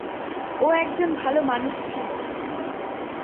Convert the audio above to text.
ও একজন ভালো মানুষ ছিলো!